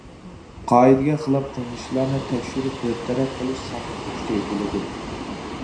قائىدىگە خىلاپ قىلمىشلارنى تەكشۈرۈپ بىر تەرەپ قىلىش سالمىقى كۈچەيتىلىدۇ.